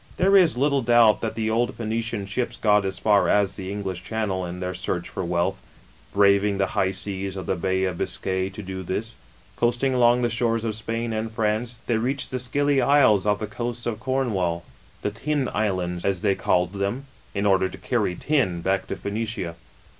There is little doubt, that the old Phoenician strps got as far as the English Channel, in their search for wealth, braving the high seas of the Bay of Biscay to do this. Coasting along the shores of Spain and France, they reached the Scilly Isles off the coast of Cornwall the 42 " STRONG TO DO AND DARE. [B.C. 1014. i t Islands, a they called them in order to * carry tin back to Phoenicia.